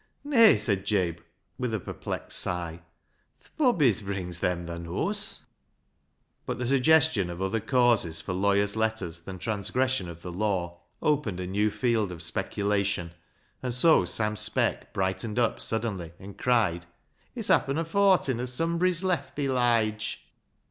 " Nay," said Jabe, with a perplexed sigh, " th' bobbies brings them, thaa knows." LIGE'S LEGACY 153 But the suggestion of other causes for lawyers' letters than transgression of the law opened a new field of speculation, and so Sam Speck brightened up suddenly and cried —" It's happen a fortin as sumbry's left thi, Lige."